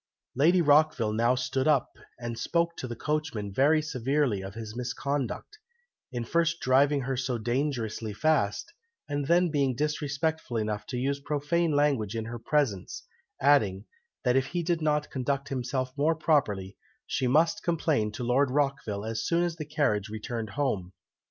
Lady Rockville now stood up, and spoke to the coachman very severely on his misconduct, in first driving her so dangerously fast, and then being disrespectful enough to use profane language in her presence, adding, that if he did not conduct himself more properly, she must complain to Lord Rockville as soon as the carriage returned home.